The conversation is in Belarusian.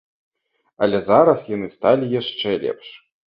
Але зараз яны сталі яшчэ лепш.